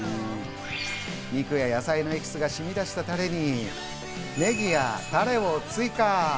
肉や野菜のエキスが染み出したタレに、ネギやタレを追加。